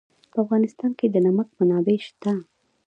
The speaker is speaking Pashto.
په افغانستان کې د نمک منابع شته.